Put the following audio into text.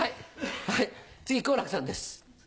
次好楽さんです。